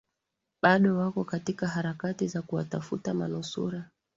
bado wako katika harakati za kuwatafuta manusura